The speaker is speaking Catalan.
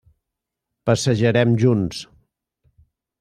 Passejarem junts.